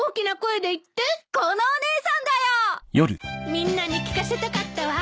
みんなに聞かせたかったわ。